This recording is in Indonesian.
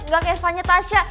gak kayak suaranya tasya